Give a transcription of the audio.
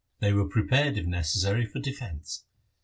They were pre pared, if necessary, for defence.